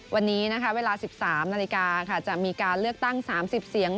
วันนี้นะคะเวลา๑๓นาฬิกาค่ะจะมีการเลือกตั้ง๓๐เสียง